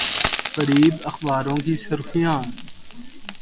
قریب اخباروں کی سرخیاں